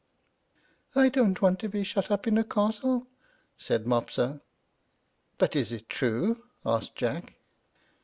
"I don't want to be shut up in a castle," said Mopsa. "But is it true?" asked Jack.